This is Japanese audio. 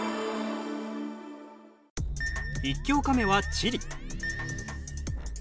１教科目は地理。